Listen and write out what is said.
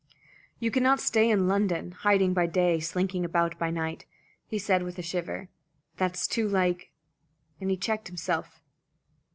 "You cannot stay in London, hiding by day, slinking about by night," he said with a shiver. "That's too like " and he checked himself.